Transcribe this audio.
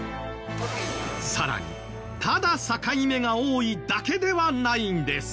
更にただ境目が多いだけではないんです。